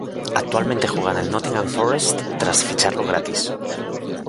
Actualmente juega en el Nottingham Forest, tras ficharlo gratis.